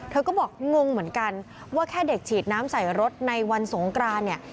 เธอก็บอกงงเหมือนกันว่าแค่เด็กฉีดน้ำใส่รถในวันสงกรานเนี่ย